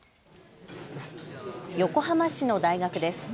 横浜市の大学です。